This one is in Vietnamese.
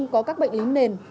có các bệnh lý nền